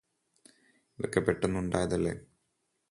ഇതൊക്കെ പെട്ടന്ന് ഉണ്ടായതല്ലേ